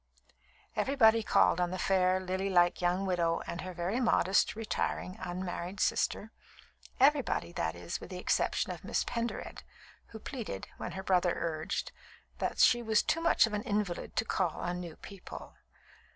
Everybody called on the fair, lilylike young widow and her very modest, retiring, unmarried sister everybody, that is, with the exception of Miss Pendered, who pleaded, when her brother urged, that she was too much of an invalid to call on new people.